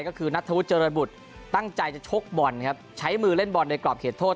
ก็คือนัทธวุฒิเจริญบุตรตั้งใจจะชกบอลครับใช้มือเล่นบอลในกรอบเขตโทษ